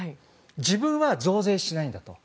自分は増税しないんだと。